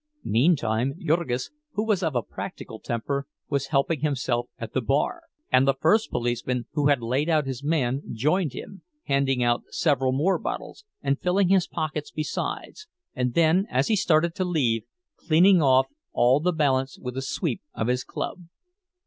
Meantime Jurgis, who was of a practical temper, was helping himself at the bar; and the first policeman, who had laid out his man, joined him, handing out several more bottles, and filling his pockets besides, and then, as he started to leave, cleaning off all the balance with a sweep of his club.